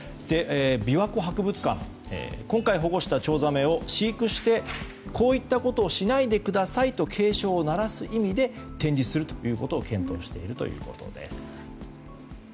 琵琶湖博物館は今回保護したチョウザメを飼育して、こういったことをしないでくださいという警鐘を鳴らす意味で展示することを検討しているということです。